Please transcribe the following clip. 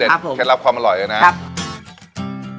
ครับผมครับผมแค่รับความอร่อยเลยนะฮะครับ